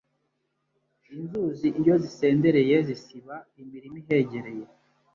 Inzuzi iyo zisendereye zisiba imirima ihegereye